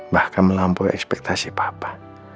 bahkan melampaui ekspektasi papa